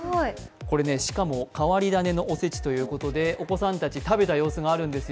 しかも、変わり種のお節ということで、お子さんたち、食べた様子があるんですよ。